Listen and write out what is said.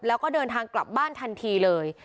แล้วก็เดินทางกลับบ้านทันทีเลย